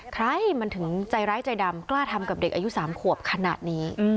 ใครมันถึงใจร้ายใจดำกล้าทำกับเด็กอายุ๓ขวบขนาดนี้